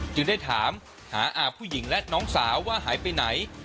จึงได้ถามหาอาผู้หญิงและน้องสาวว่าหายไปไหน